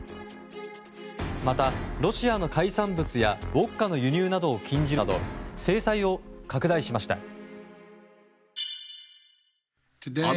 また、ロシアの海産物やウォッカの輸入などを禁じるなど制裁を拡大しました。